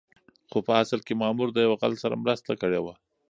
خو په اصل کې مامور د يو غل سره مرسته کړې وه.